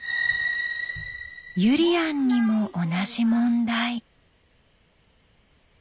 ゆりやんにも同じ問題。